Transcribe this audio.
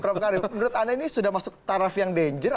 prof karim menurut anda ini sudah masuk taraf yang danger